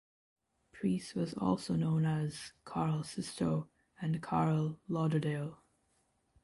Preece was also known as Carl Sisto and Carl Lauderdale.